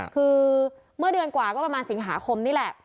คือเมื่อเดือนกว่าก็ประมาณสิงหาคมนี่แหละ